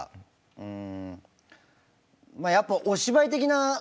うん。